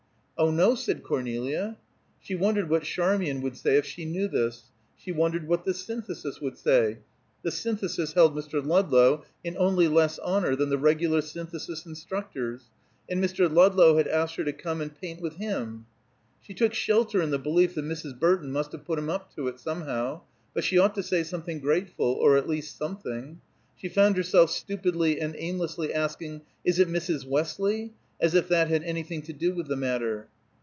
"Oh, no," said Cornelia. She wondered what Charmian would say if she knew this; she wondered what the Synthesis would say; the Synthesis held Mr. Ludlow in only less honor than the regular Synthesis instructors, and Mr. Ludlow had asked her to come and paint with him! She took shelter in the belief that Mrs. Burton must have put him up to it, somehow, but she ought to say something grateful, or at least something. She found herself stupidly and aimlessly asking, "Is it Mrs. Westley?" as if that had anything to do with the matter.